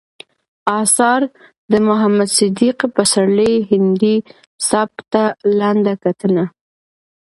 اثار، د محمد صديق پسرلي هندي سبک ته لنډه کتنه